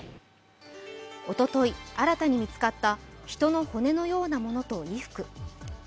おととい新たに見つかった人の骨のようなものと衣服。